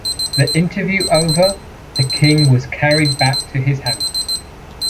The interview over, the king was carried back to his house.